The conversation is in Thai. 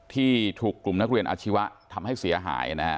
ที่ถูกกลุ่มนักเรียนอาชีวะทำให้เสียหายนะฮะ